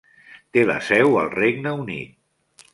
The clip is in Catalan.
Té la seu al Regne Unit.